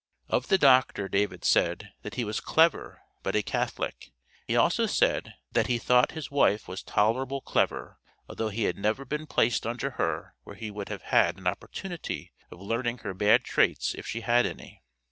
Of the Doctor, David said, that "he was clever, but a Catholic;" he also said, that he thought his wife was "tolerable clever," although he had never been placed under her where he would have had an opportunity of learning her bad traits if she had any.